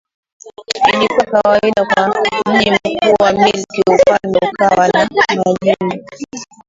lilikuwa kawaida kwa mji mkuu wa milki Ufalme ukawa na majimbo